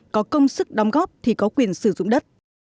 có công sức đóng góp thì có quyền sử dụng đất